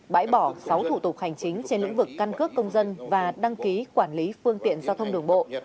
bãi bỏ sáu thủ tục hành chính trên lĩnh vực căn cước công dân và đăng ký quản lý phương tiện giao thông đường bộ